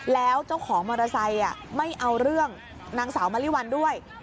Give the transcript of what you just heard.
แล้วเจ้าของมอเตอร์ไซค์ไม่เอาเรื่องนางสาวมะลิวัลด้วย